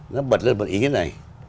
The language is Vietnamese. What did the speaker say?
nó bật lên một ý như thế này